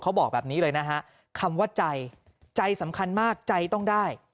เขาบอกแบบนี้เลยนะฮะคำว่าใจใจสำคัญมากใจต้องได้